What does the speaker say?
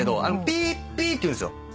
あれピーピーっていうんです。